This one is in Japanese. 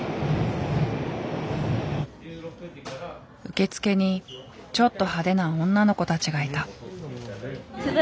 受付にちょっと派手な女の子たちがいた。